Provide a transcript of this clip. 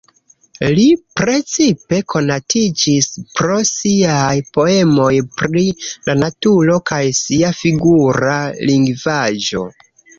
Li precipe konatiĝis pro siaj poemoj pri la naturo kaj sia figura lingvaĵo.